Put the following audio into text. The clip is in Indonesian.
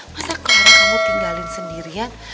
masa kan kamu tinggalin sendirian